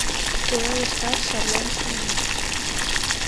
Куэ лышташ шарлен шумек